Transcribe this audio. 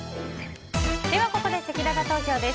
ここでせきらら投票です。